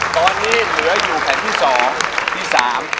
ตอนนี้เหลืออยู่แผ่นที่สองแผ่นที่สาม